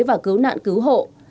và cứu nạn cứu hộ